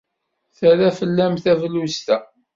Terra fell-am tebluzt-a.